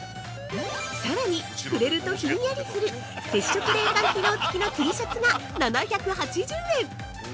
◆さらに、触れるとひんやりする接触冷感機能付きのＴシャツが７８０円。